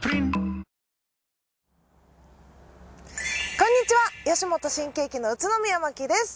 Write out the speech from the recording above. こんにちは吉本新喜劇の宇都宮まきです。